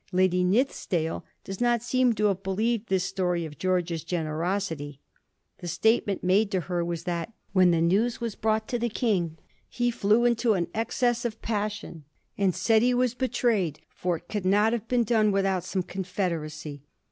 Lady Nithisdale does not seem to have believed this story of George's generosity. The statement made to her was that ' when the news was brought to the King he flew into an excess of passion, and said he was be trayed, for it could not have been done without some confederacy.